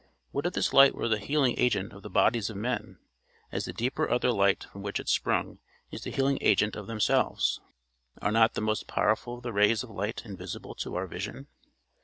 What if this light were the healing agent of the bodies of men, as the deeper other light from which it sprung is the healing agent of themselves? Are not the most powerful of the rays of light invisible to our vision?